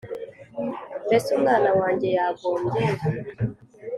Mbese umwana wanjye yagombye